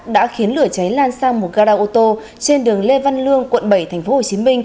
đã khiến lửa cháy lan sang một gara ô tô trên đường lê văn lương quận bảy tp hcm